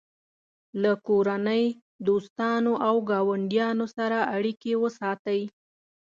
له کورنۍ، دوستانو او ګاونډیانو سره اړیکې وساتئ.